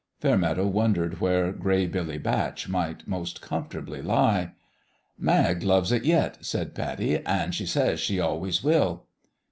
Fairmeadow wondered where Gray Billy Batch might most comfortably lie. " Mag loves it yet," said Pattie ;" an' she says she always will."